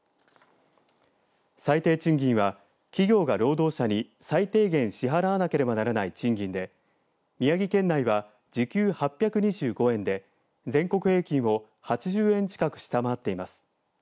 最低賃金は、企業が労働者に最低限支払わなければならない賃金で宮城県内は時給８２５円で全国平均を８０円近く下回っています。